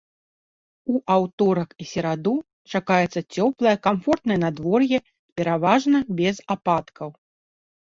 У аўторак і сераду чакаецца цёплае камфортнае надвор'е, пераважна без ападкаў.